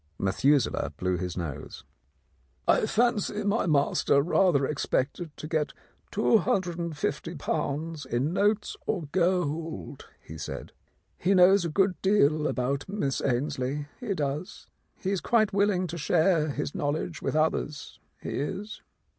Methuselah blew his nose. "I fancy my master rather expected to get ^250 in notes or gold," he said. "He knows a good deal about Miss Ainslie, he does. He is quite willing to share his knowledge with others, he is."